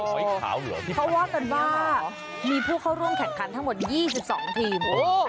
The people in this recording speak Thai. ขาวเหรอที่เขาว่ากันว่ามีผู้เข้าร่วมแข่งขันทั้งหมด๒๒ทีม